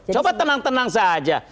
coba tenang tenang saja